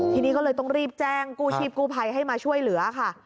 ทีนี้ก็เลยต้องรีบแจ้งกู้ชีพกู้ภัยให้มาช่วยเหลือค่ะ